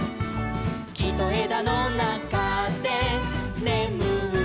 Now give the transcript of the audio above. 「きとえだのなかでねむってる」